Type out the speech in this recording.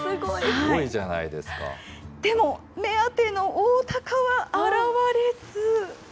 でも目当てのオオタカは現れず。